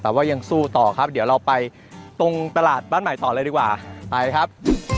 แต่ว่ายังสู้ต่อครับเดี๋ยวเราไปตรงตลาดบ้านใหม่ต่อเลยดีกว่าไปครับ